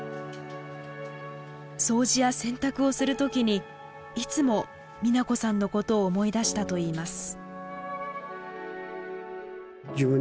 掃除や洗濯をする時にいつもみな子さんのことを思い出したといいます。